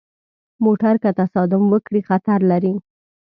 موټر که تصادم وکړي، خطر لري.